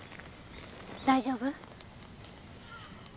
大丈夫？